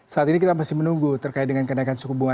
saat ini kita masih menunggu terkait dengan kenaikan suku bunga